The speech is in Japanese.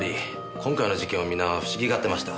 今回の事件を皆不思議がっていました。